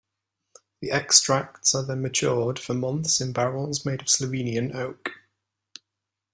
The extracts are then matured for months in barrels made of Slovenian oak.